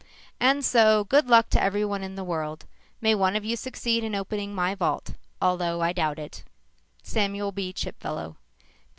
_ "_And so, good luck to everyone in the world. May one of you succeed in opening my vault although I doubt it. Samuel B. Chipfellow.